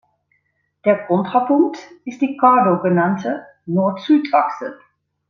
Der Kontrapunkt ist die "cardo" genannte Nord-Süd-Achse.